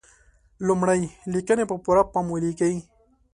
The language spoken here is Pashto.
لمړی: لیکنې په پوره پام ولیکئ.